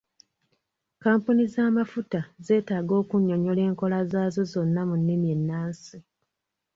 Kampuni z'amafuta zetaaga okunyonyola enkola zaazo zonna mu nnimi ennansi.